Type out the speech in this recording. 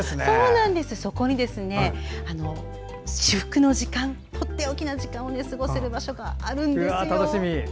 そこに至福の時間とっておきの時間を過ごせる場所があるんです。